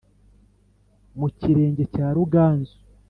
mu kirenge cya ruganzu